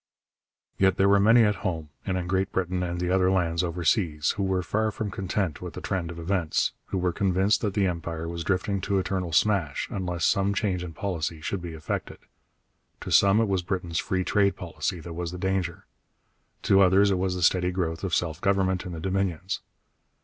Yet there were many at home, and in Great Britain and the other lands overseas, who were far from content with the trend of events, who were convinced that the Empire was drifting to eternal smash unless some change in policy should be effected. To some it was Britain's free trade policy that was the danger; to others it was the steady growth of self government in the Dominions.